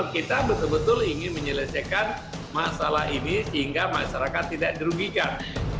kita betul betul ingin menyelesaikan masalah ini sehingga masyarakat tidak dirugikan